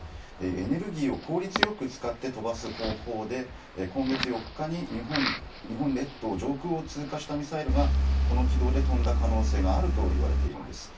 エネルギーを効率よく使って飛ばす方法で今月４日に日本列島上空を通過したミサイルがこの軌道で飛んだ可能性があるといわれているんです。